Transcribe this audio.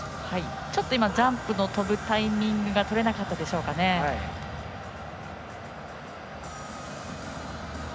ちょっとジャンプの跳ぶタイミングが取れなかったでしょうかね。